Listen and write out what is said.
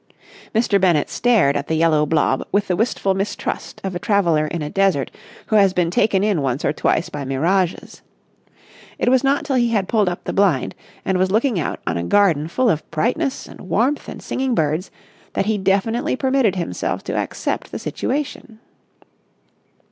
Mr. Bennett stared at the yellow blob with the wistful mistrust of a traveller in a desert who has been taken in once or twice by mirages. It was not till he had pulled up the blind and was looking out on a garden full of brightness and warmth and singing birds that he definitely permitted himself to accept the situation.